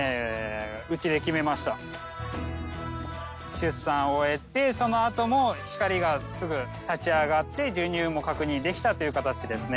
出産終えてそのあとも光がすぐ立ち上がって授乳も確認できたという形ですね。